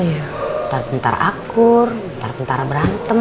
bentar bentar akur bentar bentar berantem